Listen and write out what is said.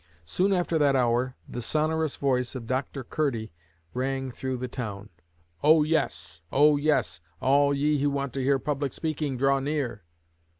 Soon after that hour the sonorous voice of Dr. Curdy rang through the town: 'O, yes! O, yes! All ye who want to hear public speaking, draw near!'